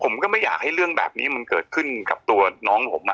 ผมก็ไม่อยากให้เรื่องแบบนี้มันเกิดขึ้นกับตัวน้องผม